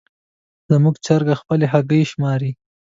زموږ چرګه خپلې هګۍ شماري.